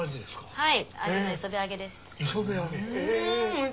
はい。